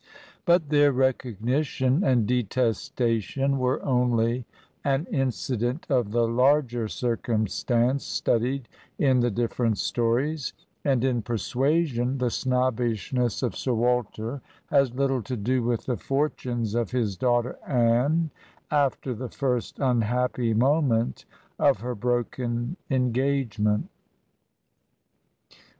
But their recognition and detestation were only an incident of the larger circumstance studied in the different stories; and in "Persuasion" the snobbishness of Sir Walter Digitized by VjOOQIC HEROINES OF FICTION has little to do with the fortunes of his daughter Anne after the first unhappy moment of her broken engage ment.